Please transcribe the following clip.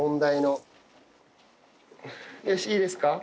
よしいいですか？